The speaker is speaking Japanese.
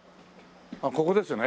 あっここですね。